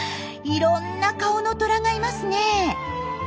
いろんな顔のトラがいますね。